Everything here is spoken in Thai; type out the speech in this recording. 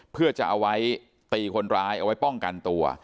เพื่อจะเอาไว้ตีคนร้ายเอาไว้ป้องกันตัว